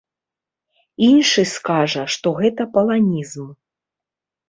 Іншы скажа, што гэта паланізм.